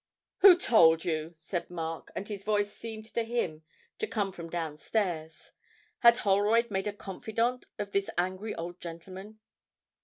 'Who told you?' said Mark, and his voice seemed to him to come from down stairs. Had Holroyd made a confidant of this angry old gentleman?